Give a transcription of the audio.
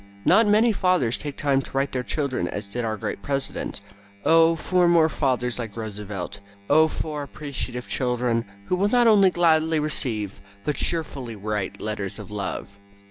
Not many fathers take time to write to their children as did our great president. Oh, for more fathers like Roosevelt! Oh, for appreciative children, who will not only gladly receive, but cheerfully write, letters of love!